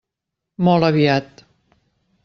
Molt aviat.